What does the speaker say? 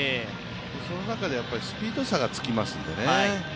その中でスピード差がつきますのでね。